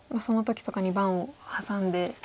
その時とかに盤を挟んで。